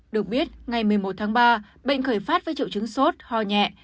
được biết ngày một mươi một tháng ba bệnh khởi phát với triệu chứng sốt ho nhẹ